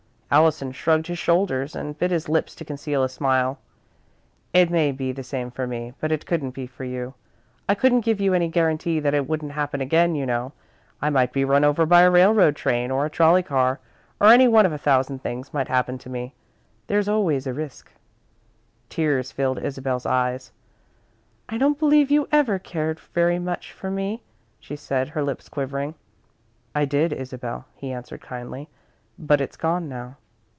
Allison shrugged his shoulders and bit his lips to conceal a smile. "It may be the same for me, but it couldn't be for you. I couldn't give you any guarantee that it wouldn't happen again, you know. I might be run over by a railroad train or a trolley car, or any one of a thousand things might happen to me. There's always a risk." Tears filled Isabel's eyes. "I don't believe you ever cared very much for me," she said, her lips quivering. "I did, Isabel," he answered, kindly, "but it's gone now.